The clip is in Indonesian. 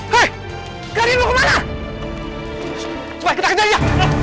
hei kalian mau kemana